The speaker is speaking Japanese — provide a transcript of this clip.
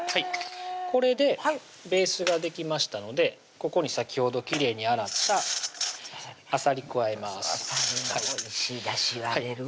これでベースができましたのでここに先ほどきれいに洗ったあさり加えますあさりのおいしいだしは出るわ